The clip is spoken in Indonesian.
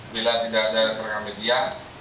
bila tidak ada rekan media